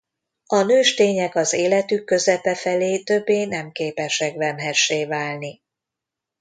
A nőstények az életük közepe felé többé nem képesek vemhessé válni.